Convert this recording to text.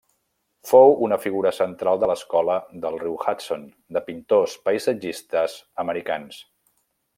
Fou una figura central de l'Escola del Riu Hudson, de pintors paisatgistes americans.